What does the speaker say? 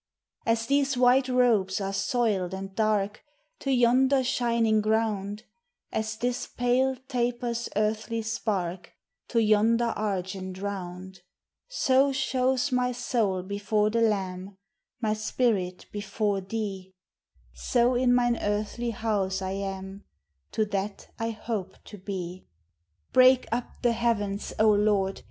DEATH: IMMORTALITY: HEAVEN. 417, As these white robes are soiled and dark, To yonder shining ground; As this pale taper's earthly spark, To yonder argent round; So shows my soul before the Lamb, My spirit before Thee; So in mine earthly house I am, To that I hope to be. Break up the heavens, O Lord!